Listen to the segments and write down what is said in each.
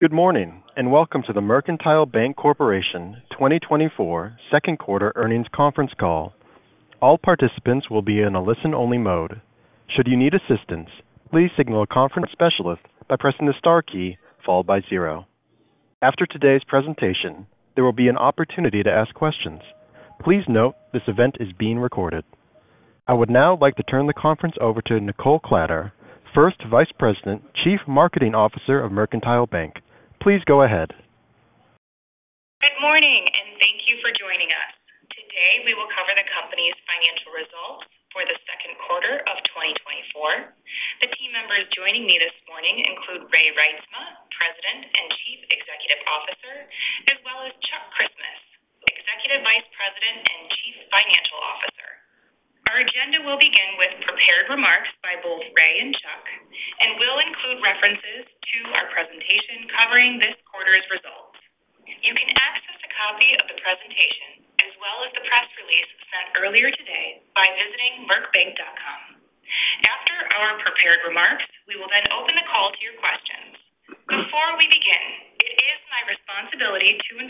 Good morning, and welcome to the Mercantile Bank Corporation 2024 second quarter earnings conference call. All participants will be in a listen-only mode. Should you need assistance, please signal a conference specialist by pressing the star key followed by zero. After today's presentation, there will be an opportunity to ask questions. Please note this event is being recorded. I would now like to turn the conference over to Nichole Kladder, First Vice President, Chief Marketing Officer of Mercantile Bank. Please go ahead. Good morning, and thank you for joining us. Today, we will cover the company's financial results for the second quarter of 2024. The team members joining me this morning include Ray Reitsma, President and Chief Executive Officer, as well as Chuck Christmas, Executive Vice President and Chief Financial Officer. Our agenda will begin with prepared remarks by both Ray and Chuck and will include references to our presentation covering this quarter's results. You can access a copy of the presentation as well as the press release sent earlier today by visiting mercbank.com. After our prepared remarks, we will then open the call to your questions. Before we begin, it is my responsibility to inform you that this call may involve certain forward-looking statements such as projections of revenue, earnings, and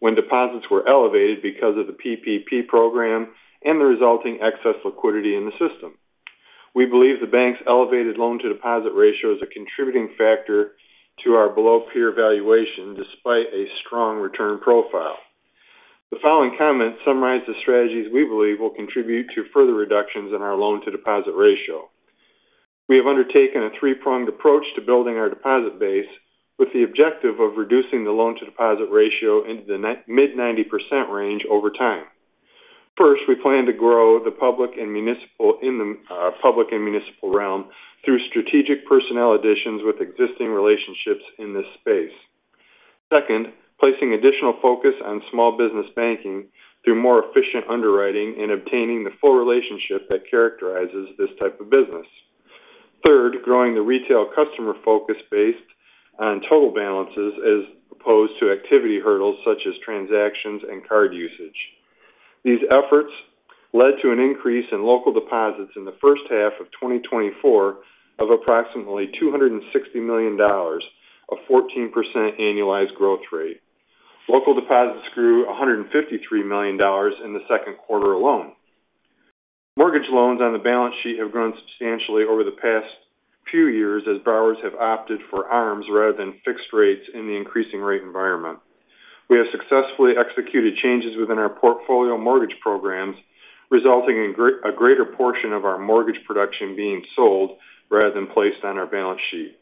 when deposits were elevated because of the PPP program and the resulting excess liquidity in the system. We believe the bank's elevated loan-to-deposit ratio is a contributing factor to our below-peer valuation, despite a strong return profile. The following comments summarize the strategies we believe will contribute to further reductions in our loan-to-deposit ratio. We have undertaken a three-pronged approach to building our deposit base with the objective of reducing the loan-to-deposit ratio into the mid-90% range over time. First, we plan to grow the public and municipal in the public and municipal realm through strategic personnel additions with existing relationships in this space. Second, placing additional focus on small business banking through more efficient underwriting and obtaining the full relationship that characterizes this type of business. Third, growing the retail customer focus based on total balances as opposed to activity hurdles such as transactions and card usage. These efforts led to an increase in local deposits in the first half of 2024 of approximately $260 million, a 14% annualized growth rate. Local deposits grew $153 million in the second quarter alone. Mortgage loans on the balance sheet have grown substantially over the past few years as borrowers have opted for ARMs rather than fixed rates in the increasing rate environment. We have successfully executed changes within our portfolio mortgage programs, resulting in a greater portion of our mortgage production being sold rather than placed on our balance sheet.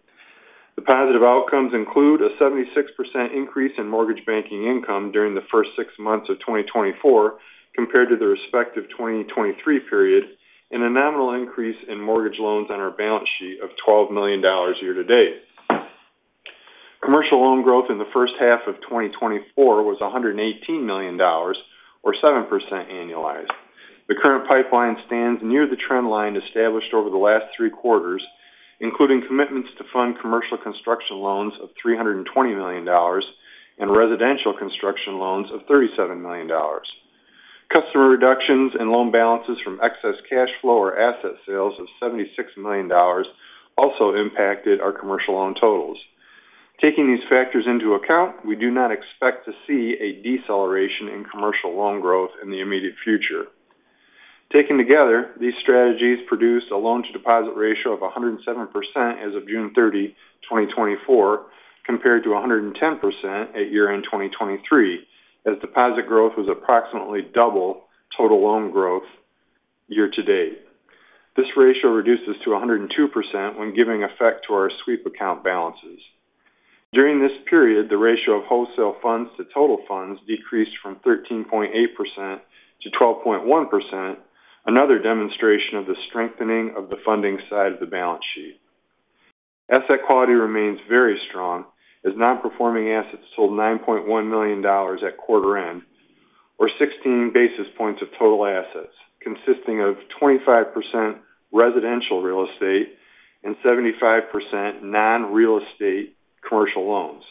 The positive outcomes include a 76% increase in mortgage banking income during the first six months of 2024 compared to the respective 2023 period, and a nominal increase in mortgage loans on our balance sheet of $12 million year to date. Commercial loan growth in the first half of 2024 was $118 million or 7% annualized. The current pipeline stands near the trend line established over the last three quarters, including commitments to fund commercial construction loans of $320 million and residential construction loans of $37 million. Customer reductions and loan balances from excess cash flow or asset sales of $76 million also impacted our commercial loan totals. Taking these factors into account, we do not expect to see a deceleration in commercial loan growth in the immediate future. Taken together, these strategies produced a loan-to-deposit ratio of 107% as of June 30, 2024, compared to 110% at year-end 2023, as deposit growth was approximately double total loan growth year to date. This ratio reduces to 102% when giving effect to our sweep account balances. During this period, the ratio of wholesale funds to total funds decreased from 13.8% to 12.1%, another demonstration of the strengthening of the funding side of the balance sheet. Asset quality remains very strong as non-performing assets stood $9.1 million at quarter end, or 16 basis points of total assets, consisting of 25% residential real estate and 75% non-real estate commercial loans.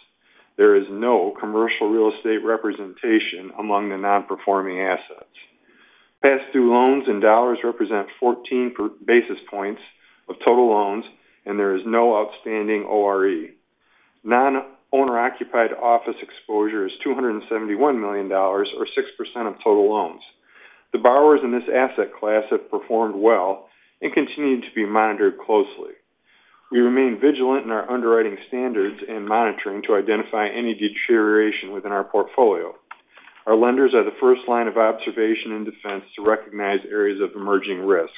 There is no commercial real estate representation among the non-performing assets. Past due loans in dollars represent 14 basis points of total loans, and there is no outstanding ORE. Non-owner occupied office exposure is $271 million, or 6% of total loans. The borrowers in this asset class have performed well and continue to be monitored closely. We remain vigilant in our underwriting standards and monitoring to identify any deterioration within our portfolio. Our lenders are the first line of observation and defense to recognize areas of emerging risk.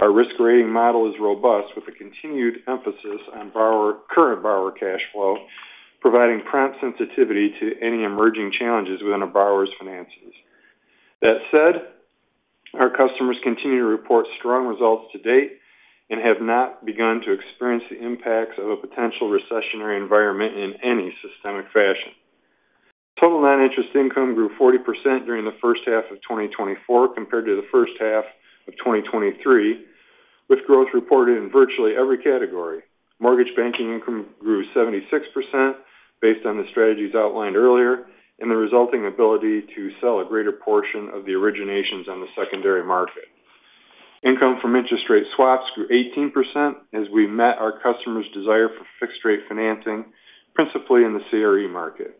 Our risk rating model is robust, with a continued emphasis on borrower's current cash flow, providing prompt sensitivity to any emerging challenges within a borrower's finances. That said, our customers continue to report strong results to date and have not begun to experience the impacts of a potential recessionary environment in any systemic fashion. Total non-interest income grew 40% during the first half of 2024 compared to the first half of 2023, with growth reported in virtually every category. Mortgage banking income grew 76% based on the strategies outlined earlier and the resulting ability to sell a greater portion of the originations on the secondary market. Income from interest rate swaps grew 18% as we met our customers' desire for fixed rate financing, principally in the CRE market.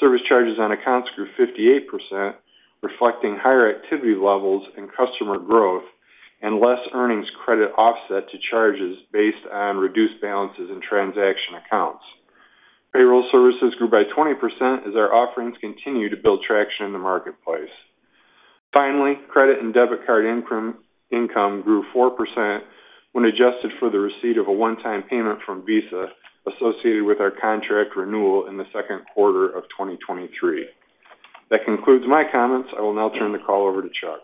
Service charges on accounts grew 58%, reflecting higher activity levels and customer growth, and less earnings credit offset to charges based on reduced balances in transaction accounts. Payroll services grew by 20% as our offerings continue to build traction in the marketplace. Finally, credit and debit card income grew 4% when adjusted for the receipt of a one-time payment from Visa associated with our contract renewal in the second quarter of 2023. That concludes my comments. I will now turn the call over to Chuck.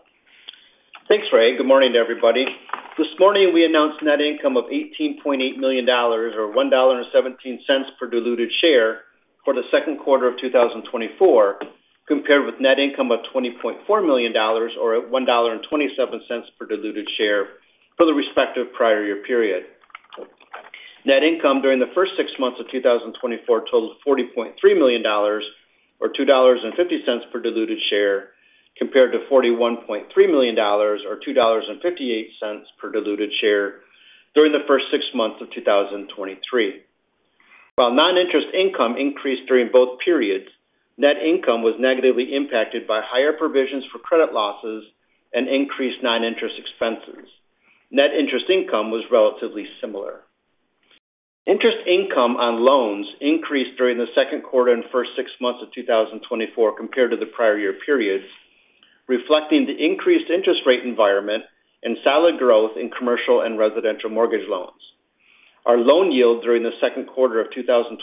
Thanks, Ray. Good morning to everybody. This morning, we announced net income of $18.8 million, or $1.17 per diluted share for the second quarter of 2024, compared with net income of $20.4 million, or $1.27 per diluted share for the respective prior year period. Net income during the first six months of 2024 totaled $40.3 million, or $2.50 per diluted share, compared to $41.3 million, or $2.58 per diluted share during the first six months of 2023. While non-interest income increased during both periods, net income was negatively impacted by higher provisions for credit losses and increased non-interest expenses. Net interest income was relatively similar. Interest income on loans increased during the second quarter and first six months of 2024 compared to the prior year periods, reflecting the increased interest rate environment and solid growth in commercial and residential mortgage loans. Our loan yield during the second quarter of 2024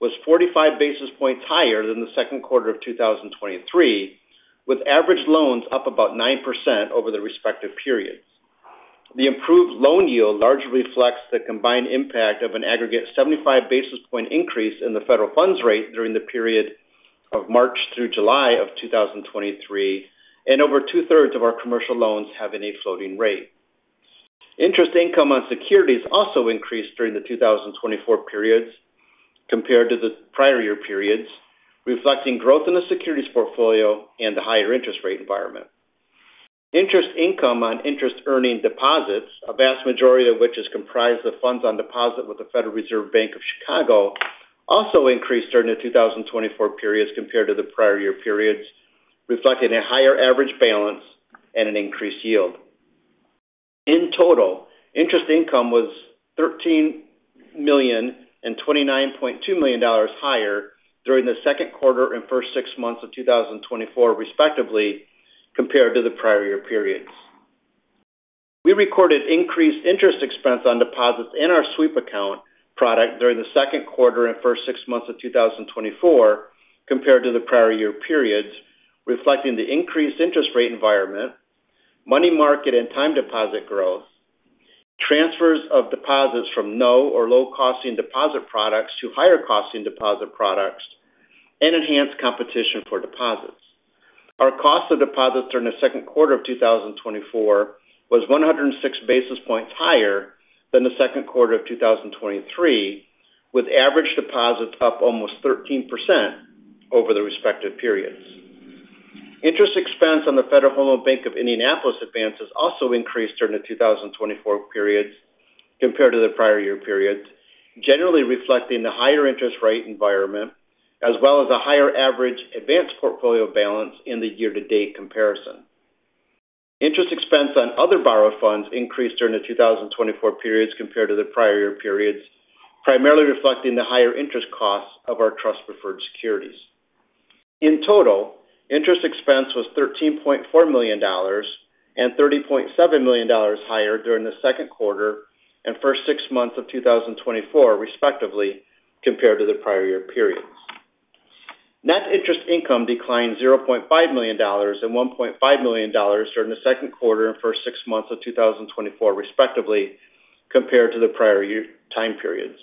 was 45 basis points higher than the second quarter of 2023, with average loans up about 9% over the respective periods. The improved loan yield largely reflects the combined impact of an aggregate 75 basis point increase in the federal funds rate during the period of March through July of 2023, and over two-thirds of our commercial loans have any floating rate. Interest income on securities also increased during the 2024 periods compared to the prior year periods, reflecting growth in the securities portfolio and the higher interest rate environment. Interest income on interest-earning deposits, a vast majority of which is comprised of funds on deposit with the Federal Reserve Bank of Chicago, also increased during the 2024 periods compared to the prior year periods, reflecting a higher average balance and an increased yield. In total, interest income was $13 million and $29.2 million higher during the second quarter and first six months of 2024, respectively, compared to the prior year periods. We recorded increased interest expense on deposits in our sweep account product during the second quarter and first six months of 2024 compared to the prior year periods, reflecting the increased interest rate environment, money market and time deposit growth, transfers of deposits from no or low-cost deposit products to higher-cost deposit products, and enhanced competition for deposits. Our cost of deposits during the second quarter of 2024 was 106 basis points higher than the second quarter of 2023, with average deposits up almost 13% over the respective periods. Interest expense on the Federal Home Loan Bank of Indianapolis advances also increased during the 2024 periods compared to the prior year periods, generally reflecting the higher interest rate environment, as well as a higher average advance portfolio balance in the year-to-date comparison. Interest expense on other borrowed funds increased during the 2024 periods compared to the prior year periods, primarily reflecting the higher interest costs of our trust preferred securities. In total, interest expense was $13.4 million and $30.7 million higher during the second quarter and first six months of 2024, respectively, compared to the prior year periods. Net interest income declined $0.5 million and $1.5 million during the second quarter and first six months of 2024, respectively, compared to the prior year time periods.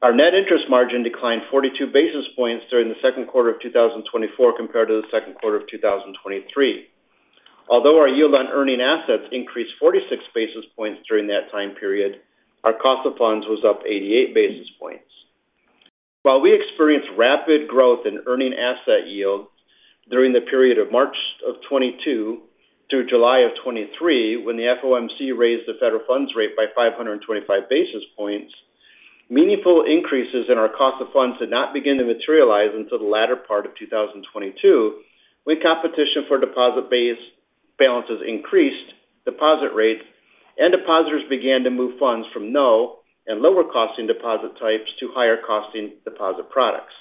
Our net interest margin declined 42 basis points during the second quarter of 2024 compared to the second quarter of 2023. Although our yield on earning assets increased 46 basis points during that time period, our cost of funds was up 88 basis points. While we experienced rapid growth in earning asset yield during the period of March 2022 through July 2023, when the FOMC raised the federal funds rate by 525 basis points, meaningful increases in our cost of funds did not begin to materialize until the latter part of 2022, when competition for deposit base balances increased deposit rates and depositors began to move funds from non- and lower-costing deposit types to higher-costing deposit products.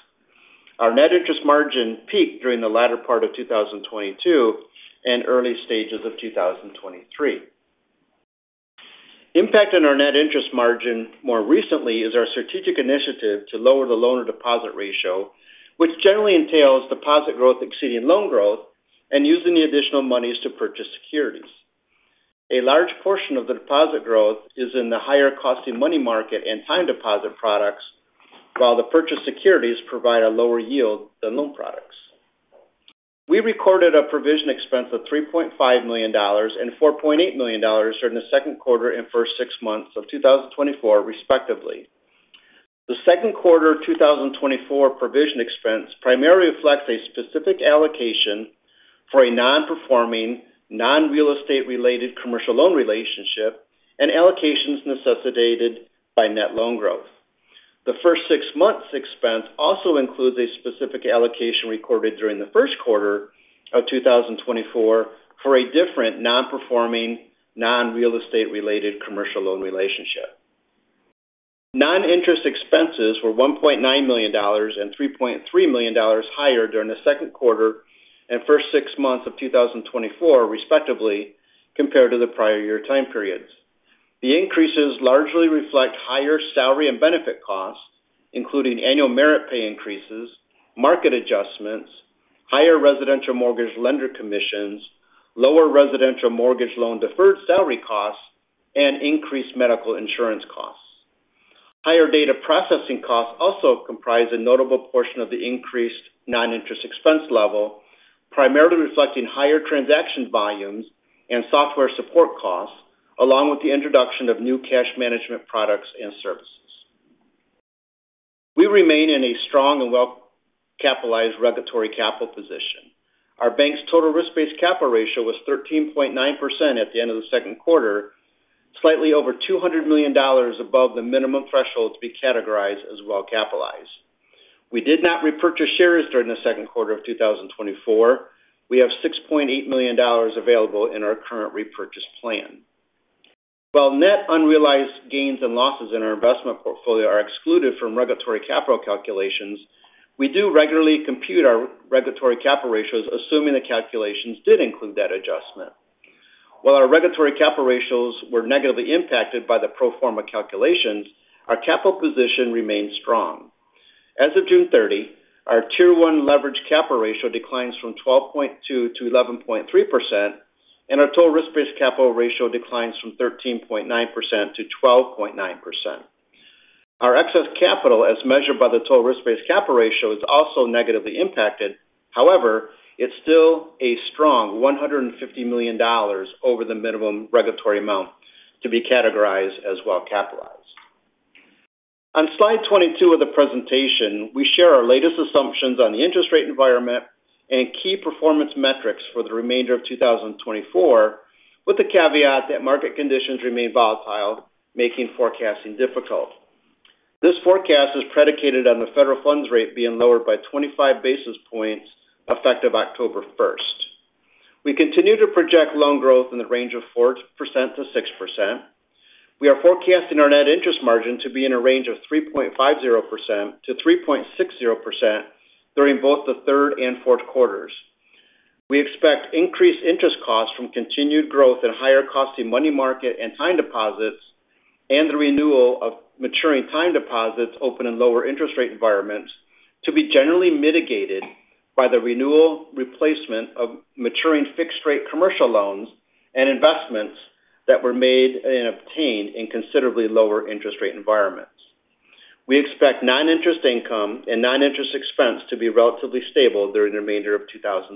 Our net interest margin peaked during the latter part of 2022 and early stages of 2023. Impact on our net interest margin more recently is our strategic initiative to lower the loan-to-deposit ratio, which generally entails deposit growth exceeding loan growth and using the additional monies to purchase securities. A large portion of the deposit growth is in the higher costing money market and time deposit products, while the purchase securities provide a lower yield than loan products. We recorded a provision expense of $3.5 million and $4.8 million during the second quarter and first six months of 2024, respectively. The second quarter 2024 provision expense primarily reflects a specific allocation for a non-performing, non-real estate related commercial loan relationship and allocations necessitated by net loan growth. The first six months expense also includes a specific allocation recorded during the first quarter of 2024 for a different non-performing, non-real estate related commercial loan relationship. Non-interest expenses were $1.9 million and $3.3 million higher during the second quarter and first six months of 2024, respectively, compared to the prior year time periods. The increases largely reflect higher salary and benefit costs, including annual merit pay increases, market adjustments, higher residential mortgage lender commissions, lower residential mortgage loan deferred salary costs, and increased medical insurance costs. Higher data processing costs also comprise a notable portion of the increased non-interest expense level, primarily reflecting higher transaction volumes and software support costs, along with the introduction of new cash management products and services. We remain in a strong and well-capitalized regulatory capital position. Our bank's total risk-based capital ratio was 13.9% at the end of the second quarter, slightly over $200 million above the minimum threshold to be categorized as well-capitalized. We did not repurchase shares during the second quarter of 2024. We have $6.8 million available in our current repurchase plan. While net unrealized gains and losses in our investment portfolio are excluded from regulatory capital calculations, we do regularly compute our regulatory capital ratios, assuming the calculations did include that adjustment. While our regulatory capital ratios were negatively impacted by the pro forma calculations, our capital position remains strong. As of June 30, our Tier 1 leverage capital ratio declines from 12.2% to 11.3%, and our total risk-based capital ratio declines from 13.9% to 12.9%. Our excess capital, as measured by the total risk-based capital ratio, is also negatively impacted. However, it's still a strong $150 million over the minimum regulatory amount to be categorized as well-capitalized. On Slide 22 of the presentation, we share our latest assumptions on the interest rate environment and key performance metrics for the remainder of 2024, with the caveat that market conditions remain volatile, making forecasting difficult. This forecast is predicated on the federal funds rate being lowered by 25 basis points, effective October 1st. We continue to project loan growth in the range of 4% to 6%. We are forecasting our net interest margin to be in a range of 3.50% to 3.60% during both the third and fourth quarters. We expect increased interest costs from continued growth at higher costing money market and time deposits, and the renewal of maturing time deposits open in lower interest rate environments to be generally mitigated by the renewal replacement of maturing fixed-rate commercial loans and investments that were made and obtained in considerably lower interest rate environments. We expect non-interest income and non-interest expense to be relatively stable during the remainder of 2024.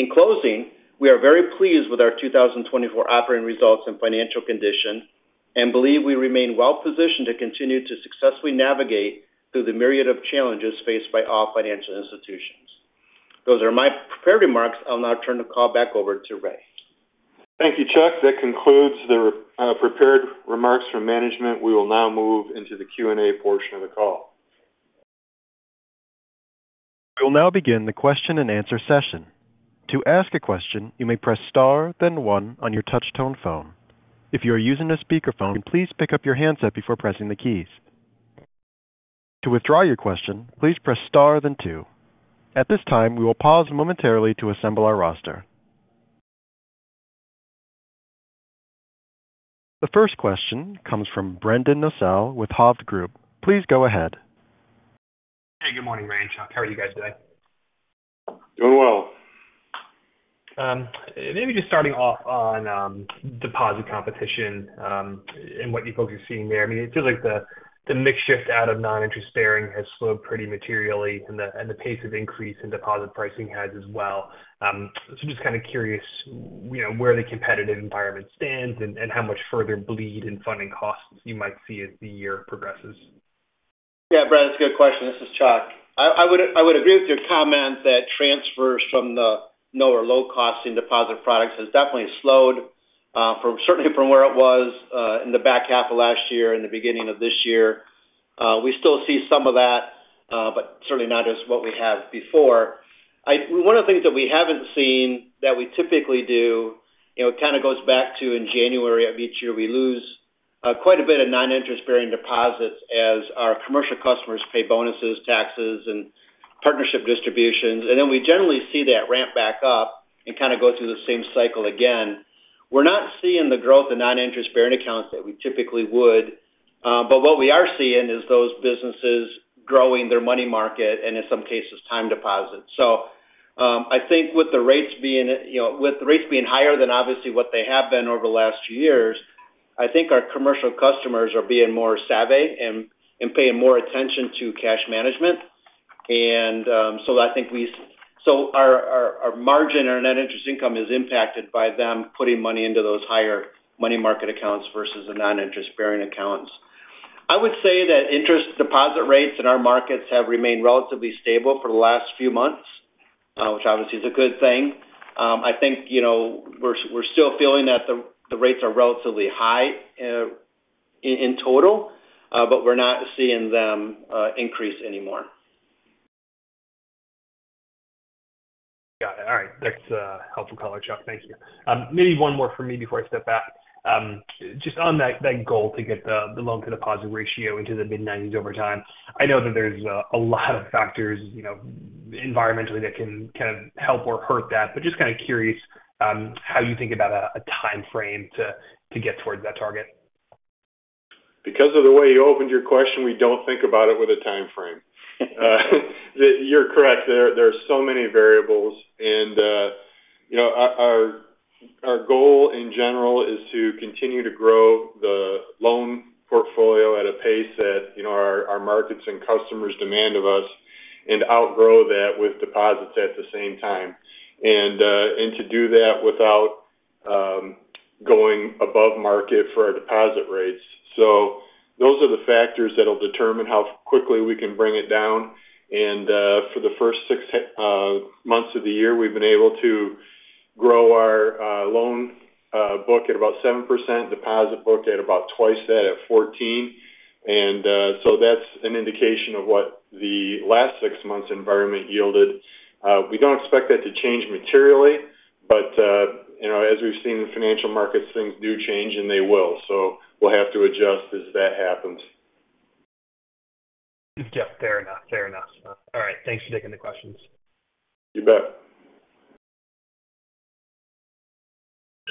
In closing, we are very pleased with our 2024 operating results and financial condition, and believe we remain well positioned to continue to successfully navigate through the myriad of challenges faced by all financial institutions. Those are my prepared remarks. I'll now turn the call back over to Ray. Thank you, Chuck. That concludes the prepared remarks from management. We will now move into the Q&A portion of the call. We will now begin the question-and-answer session. To ask a question, you may press Star, then one on your touch tone phone. If you are using a speakerphone, please pick up your handset before pressing the keys. To withdraw your question, please press Star, then two. At this time, we will pause momentarily to assemble our roster. The first question comes from Brendan Nosal with Hovde Group. Please go ahead. Hey, good morning, Ray and Chuck. How are you guys today? Doing well. Maybe just starting off on deposit competition and what you folks are seeing there. I mean, it feels like the mix shift out of non-interest bearing has slowed pretty materially and the pace of increase in deposit pricing has as well. So just kind of curious, you know, where the competitive environment stands and how much further bleed in funding costs you might see as the year progresses? Yeah, Brad, it's a good question. This is Chuck. I, I would, I would agree with your comment that transfers from the no or low-costing deposit products has definitely slowed from certainly from where it was in the back half of last year and the beginning of this year. We still see some of that, but certainly not as what we had before. One of the things that we haven't seen that we typically do, you know, it kind of goes back to in January of each year, we lose quite a bit of non-interest bearing deposits as our commercial customers pay bonuses, taxes, and partnership distributions. And then we generally see that ramp back up and kind of go through the same cycle again. We're not seeing the growth in non-interest bearing accounts that we typically would. But what we are seeing is those businesses growing their money market and in some cases, time deposits. So, I think with the rates being, you know, with the rates being higher than obviously what they have been over the last few years, I think our commercial customers are being more savvy and paying more attention to cash management. So our margin or net interest income is impacted by them putting money into those higher money market accounts versus the non-interest bearing accounts. I would say that interest deposit rates in our markets have remained relatively stable for the last few months, which obviously is a good thing. I think, you know, we're still feeling that the rates are relatively high in total, but we're not seeing them increase anymore. Got it. All right. That's a helpful color, Chuck. Thank you. Maybe one more from me before I step back. Just on that, that goal to get the loan-to-deposit ratio into the mid-90s over time. I know that there's a lot of factors, you know, environmentally that can kind of help or hurt that, but just kind of curious, how you think about a timeframe to get towards that target? Because of the way you opened your question, we don't think about it with a timeframe. You're correct, there, there are so many variables and, you know, our, our, our goal in general is to continue to grow the loan portfolio at a pace that, you know, our, our markets and customers demand of us, and outgrow that with deposits at the same time. And, and to do that without, going above market for our deposit rates. So those are the factors that'll determine how quickly we can bring it down. And, for the first six months of the year, we've been able to grow our, loan book at about 7%, deposit book at about twice that, at 14%. And, so that's an indication of what the last six months environment yielded. We don't expect that to change materially, but, you know, as we've seen in financial markets, things do change, and they will. So we'll have to adjust as that happens. Yeah, fair enough. Fair enough. All right. Thanks for taking the questions. You bet.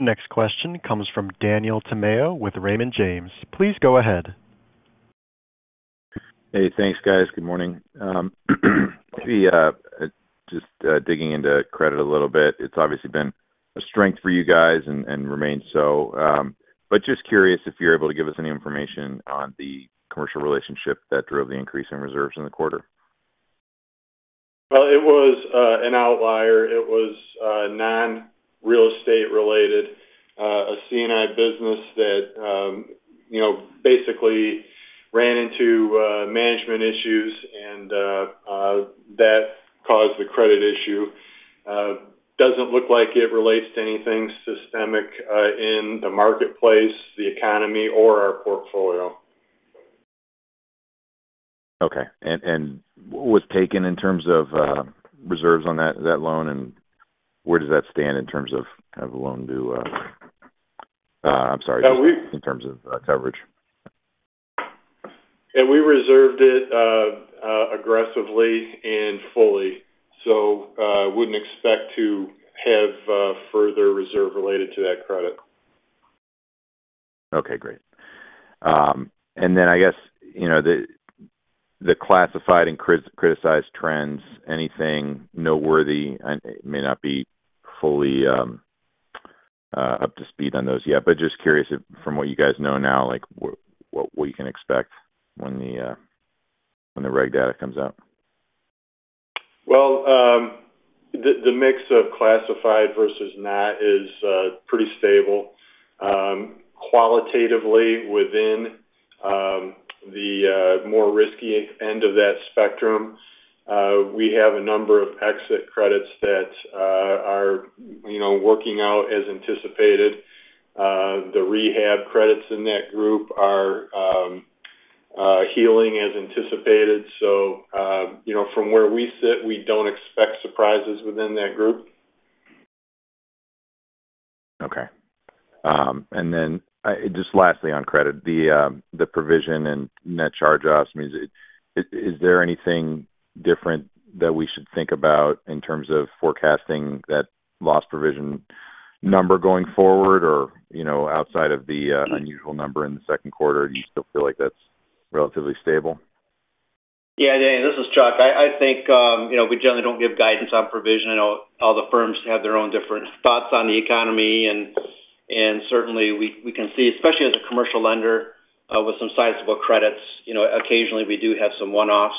Next question comes from Daniel Tamayo with Raymond James. Please go ahead. Hey, thanks, guys. Good morning. Maybe just digging into credit a little bit. It's obviously been a strength for you guys and, and remains so. But just curious if you're able to give us any information on the commercial relationship that drove the increase in reserves in the quarter? Well, it was an outlier. It was non-real estate related, a C&I business that, you know, basically ran into management issues, and that caused the credit issue. Doesn't look like it relates to anything systemic in the marketplace, the economy, or our portfolio. Okay. And, and what was taken in terms of, reserves on that, that loan, and where does that stand in terms of, of loan to... I'm sorry- Uh, we- —in terms of, coverage? We reserved it aggressively and fully, so wouldn't expect to have further reserve related to that credit. Okay, great. And then I guess, you know, the classified and criticized trends, anything noteworthy? I may not be fully up to speed on those yet, but just curious if from what you guys know now, like, what we can expect when the reg data comes out. Well, the mix of classified versus not is pretty stable. Qualitatively, within the more risky end of that spectrum, we have a number of exit credits that are, you know, working out as anticipated. The rehab credits in that group are healing as anticipated. So, you know, from where we sit, we don't expect surprises within that group. Okay. And then, just lastly, on credit, the provision and net charge-offs, I mean, is there anything different that we should think about in terms of forecasting that loss provision number going forward, or, you know, outside of the unusual number in the second quarter, do you still feel like that's relatively stable? Yeah. This is Chuck. I think, you know, we generally don't give guidance on provision. I know all the firms have their own different thoughts on the economy and certainly we can see, especially as a commercial lender, with some sizable credits, you know, occasionally we do have some one-offs,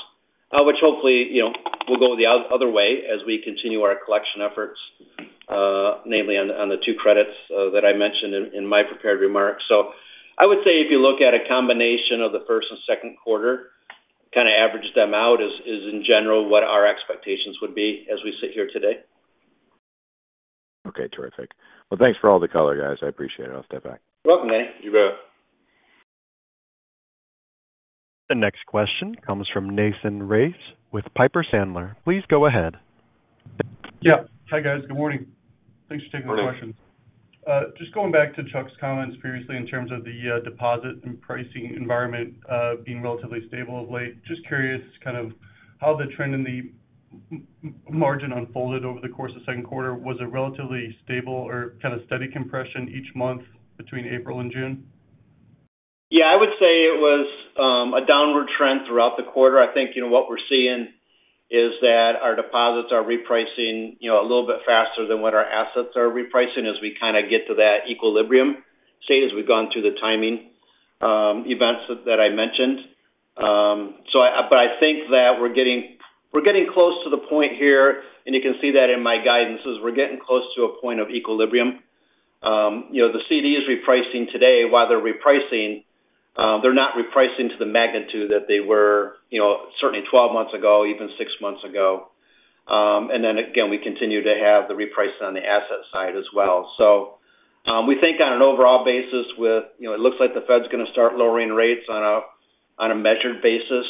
which hopefully, you know, will go the other way as we continue our collection efforts, namely on the two credits that I mentioned in my prepared remarks. So I would say if you look at a combination of the first and second quarter, kind of averages them out, is in general what our expectations would be as we sit here today. Okay, terrific. Well, thanks for all the color, guys. I appreciate it. I'll step back. Welcome, Nate. You bet. The next question comes from Nathan Race with Piper Sandler. Please go ahead. Yeah. Hi, guys. Good morning. Thanks for taking my question. Morning. Just going back to Chuck's comments previously in terms of the deposit and pricing environment being relatively stable of late. Just curious kind of how the trend in the margin unfolded over the course of second quarter. Was it relatively stable or kind of steady compression each month between April and June? Yeah, I would say it was a downward trend throughout the quarter. I think, you know, what we're seeing is that our deposits are repricing, you know, a little bit faster than what our assets are repricing as we kind of get to that equilibrium state as we've gone through the timing events that I mentioned. So, but I think that we're getting close to the point here, and you can see that in my guidances, we're getting close to a point of equilibrium. You know, the CD is repricing today. While they're repricing, they're not repricing to the magnitude that they were, you know, certainly 12 months ago, even 6 months ago. And then again, we continue to have the repricing on the asset side as well. So, we think on an overall basis with, you know, it looks like the Fed's going to start lowering rates on a measured basis.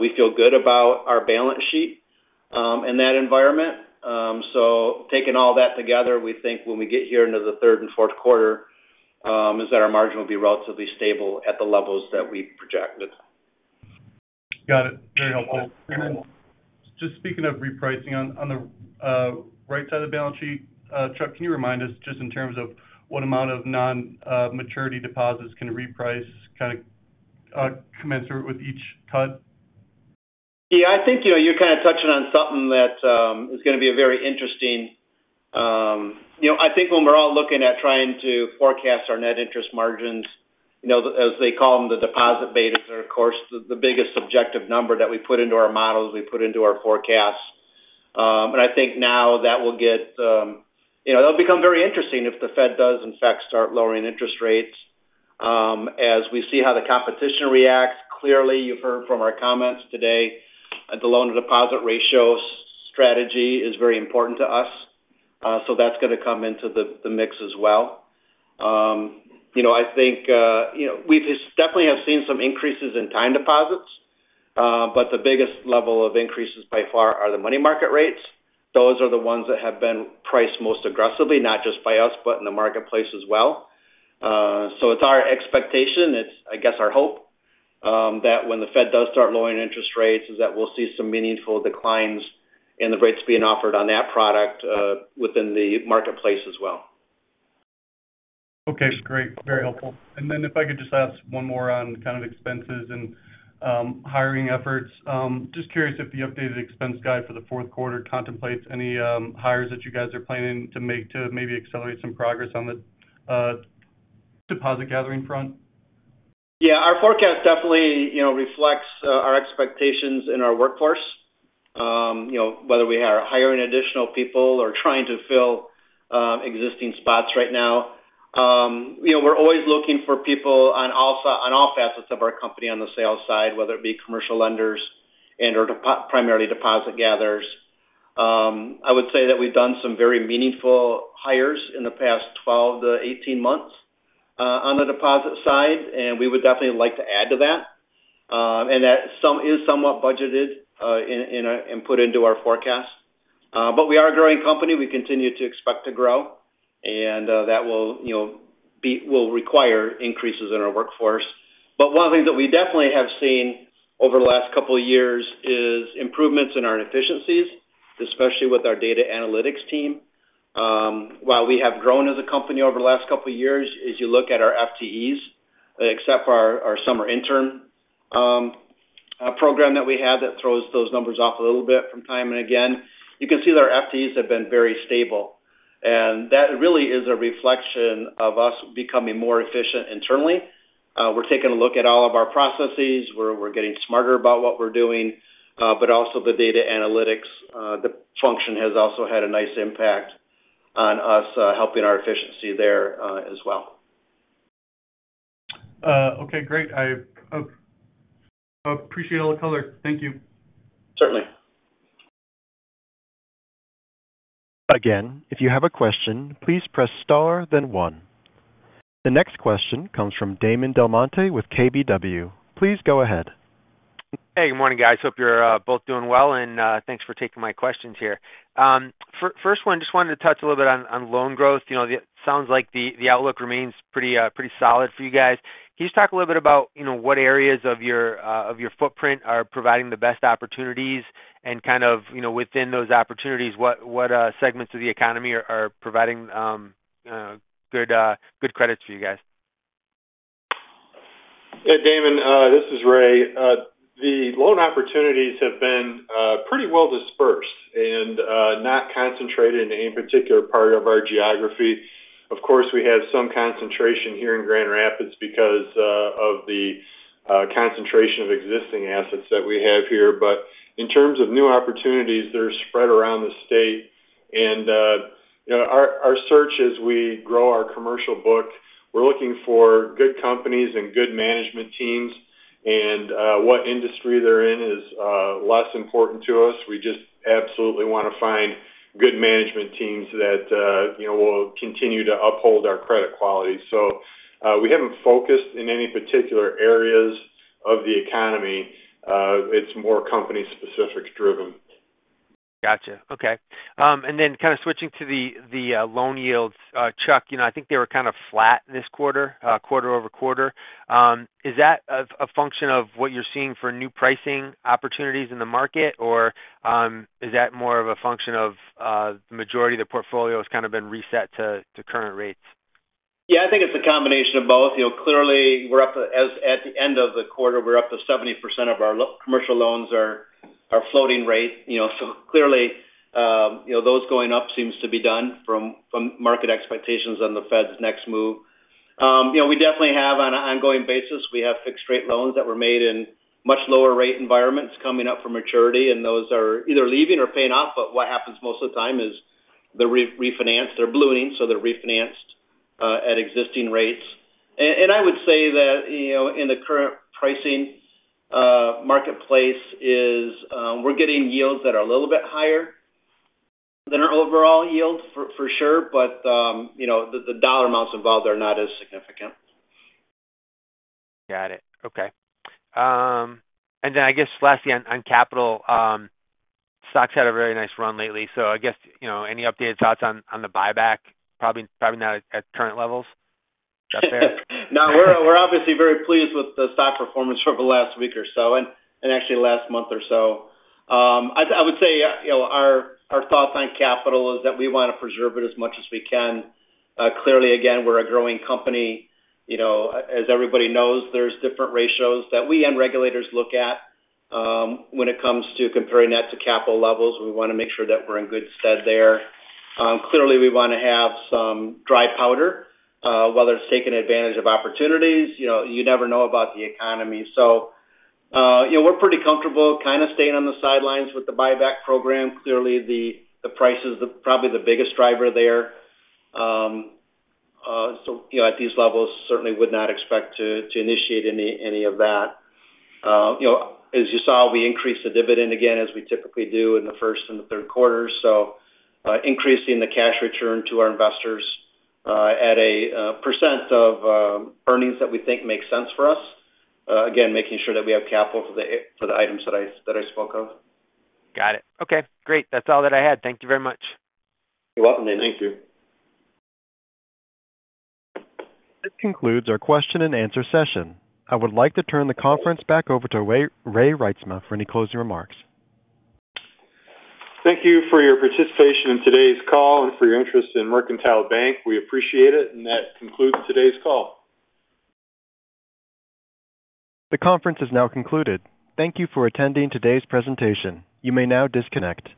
We feel good about our balance sheet in that environment. So taking all that together, we think when we get here into the third and fourth quarter, is that our margin will be relatively stable at the levels that we've projected. Got it. Very helpful. Yeah. Then just speaking of repricing, on the right side of the balance sheet, Chuck, can you remind us just in terms of what amount of non-maturity deposits can reprice, kind of, commensurate with each cut? Yeah, I think, you know, you're kind of touching on something that is going to be a very interesting. You know, I think when we're all looking at trying to forecast our net interest margins, you know, as they call them, the deposit betas are, of course, the biggest subjective number that we put into our models, we put into our forecasts. And I think now that will get, you know, it'll become very interesting if the Fed does in fact start lowering interest rates. As we see how the competition reacts, clearly, you've heard from our comments today, the loan-to-deposit ratio strategy is very important to us. So that's going to come into the mix as well. You know, I think, you know, we've definitely have seen some increases in time deposits, but the biggest level of increases by far are the money market rates. Those are the ones that have been priced most aggressively, not just by us, but in the marketplace as well. So it's our expectation, it's, I guess, our hope, that when the Fed does start lowering interest rates, is that we'll see some meaningful declines in the rates being offered on that product, within the marketplace as well. Okay, great. Very helpful. And then if I could just ask one more on kind of expenses and hiring efforts. Just curious if the updated expense guide for the fourth quarter contemplates any hires that you guys are planning to make to maybe accelerate some progress on the deposit gathering front? Yeah. Our forecast definitely, you know, reflects our expectations in our workforce. You know, whether we are hiring additional people or trying to fill existing spots right now. You know, we're always looking for people on all facets of our company on the sales side, whether it be commercial lenders and/or primarily deposit gatherers. I would say that we've done some very meaningful hires in the past 12 to 18 months on the deposit side, and we would definitely like to add to that. And that is somewhat budgeted and put into our forecast. But we are a growing company. We continue to expect to grow, and that will, you know, require increases in our workforce. But one thing that we definitely have seen over the last couple of years is improvements in our efficiencies, especially with our data analytics team. While we have grown as a company over the last couple of years, as you look at our FTEs, except for our summer intern program that we had, that throws those numbers off a little bit from time and again, you can see that our FTEs have been very stable, and that really is a reflection of us becoming more efficient internally. We're taking a look at all of our processes. We're getting smarter about what we're doing, but also the data analytics function has also had a nice impact on us, helping our efficiency there, as well. Okay, great. I appreciate all the color. Thank you. Certainly. Again, if you have a question, please press star, then one. The next question comes from Damon DelMonte with KBW. Please go ahead. Hey, good morning, guys. Hope you're both doing well, and thanks for taking my questions here. First one, just wanted to touch a little bit on loan growth. You know, it sounds like the outlook remains pretty solid for you guys. Can you just talk a little bit about, you know, what areas of your footprint are providing the best opportunities? And kind of, you know, within those opportunities, what segments of the economy are providing good credits for you guys?... Yeah, Damon, this is Ray. The loan opportunities have been pretty well dispersed and not concentrated in any particular part of our geography. Of course, we have some concentration here in Grand Rapids because of the concentration of existing assets that we have here. But in terms of new opportunities, they're spread around the state. And you know, our search as we grow our commercial book, we're looking for good companies and good management teams, and what industry they're in is less important to us. We just absolutely want to find good management teams that you know will continue to uphold our credit quality. So we haven't focused in any particular areas of the economy. It's more company-specific driven. Gotcha. Okay. Then kind of switching to the loan yields. Chuck, you know, I think they were kind of flat this quarter, quarter-over-quarter. Is that a function of what you're seeing for new pricing opportunities in the market? Or, is that more of a function of the majority of the portfolio has kind of been reset to current rates? Yeah, I think it's a combination of both. You know, clearly, we're up to at the end of the quarter, we're up to 70% of our commercial loans are floating rate. You know, so clearly, you know, those going up seems to be done from, from market expectations on the Fed's next move. You know, we definitely have, on an ongoing basis, we have fixed-rate loans that were made in much lower rate environments coming up for maturity, and those are either leaving or paying off. But what happens most of the time is they're refinanced, they're ballooning, so they're refinanced at existing rates. I would say that, you know, in the current pricing marketplace, we're getting yields that are a little bit higher than our overall yields, for sure, but, you know, the dollar amounts involved are not as significant. Got it. Okay. And then I guess lastly, on capital, stocks had a very nice run lately, so I guess, you know, any updated thoughts on the buyback? Probably not at current levels. No, we're obviously very pleased with the stock performance over the last week or so, and actually last month or so. I would say, you know, our thoughts on capital is that we want to preserve it as much as we can. Clearly, again, we're a growing company. You know, as everybody knows, there's different ratios that we and regulators look at, when it comes to comparing that to capital levels. We want to make sure that we're in good stead there. Clearly, we want to have some dry powder, whether it's taking advantage of opportunities, you know, you never know about the economy. So, you know, we're pretty comfortable kind of staying on the sidelines with the buyback program. Clearly, the price is probably the biggest driver there. So, you know, at these levels, certainly would not expect to initiate any of that. You know, as you saw, we increased the dividend again, as we typically do in the first and the third quarter. So, increasing the cash return to our investors, at a percent of earnings that we think makes sense for us. Again, making sure that we have capital for the items that I spoke of. Got it. Okay, great. That's all that I had. Thank you very much. You're welcome. Thank you. This concludes our question and answer session. I would like to turn the conference back over to Ray, Ray Reitsma for any closing remarks. Thank you for your participation in today's call and for your interest in Mercantile Bank. We appreciate it, and that concludes today's call. The conference is now concluded. Thank you for attending today's presentation. You may now disconnect.